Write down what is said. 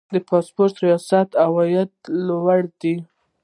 د پاسپورت ریاست عواید لوړ دي